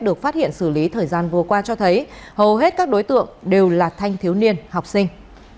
được phát hiện xử lý thời gian vừa qua cho thấy hầu hết các đối tượng đều là thanh thiếu niên học sinh